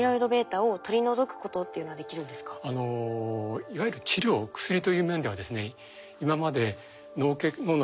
あのじゃあいわゆる治療薬という面ではですね